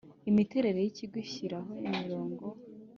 imiterere y ikigo ishyiraho imirongo